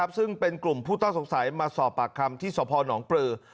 ซึ่งเป็นกลุ่มผู้ต้องสงสัยมาสอบปากคำที่สพนปลือ